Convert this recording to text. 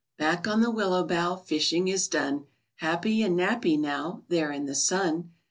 Back on the willow bough, Fishing is done; Happy and nappy now There in the sun.